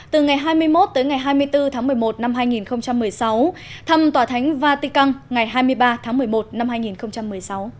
từ ngày hai mươi một tới ngày hai mươi bốn tháng một mươi một năm hai nghìn một mươi sáu thăm tòa thánh vatican ngày hai mươi ba tháng một mươi một năm hai nghìn một mươi sáu